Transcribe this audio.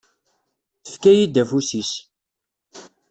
Tefka-yi-d afus-is.